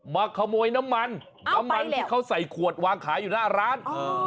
มาขโมยน้ำมันน้ำมันที่เขาใส่ขวดวางขายอยู่หน้าร้าน